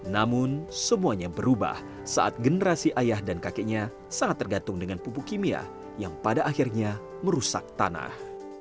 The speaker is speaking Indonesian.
namun semuanya berubah saat generasi ayah dan kakeknya sangat tergantung dengan pupuk kimia yang pada akhirnya merusak tanah